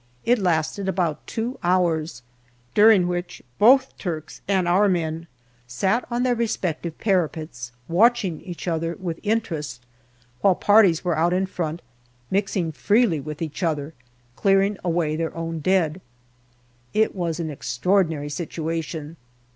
It lasted about two hours, during which both Turks and our men sat on their respective parapets watching each other with interest while parties were out in front, mixing freely with each other, clearing away their own dead. It was an extra ordinary situation.